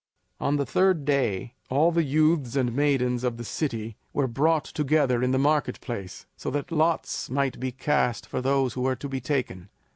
On the third day all the youths and maidens of the city were brought together in the market place, so that lots might be cast for those who were to be taken.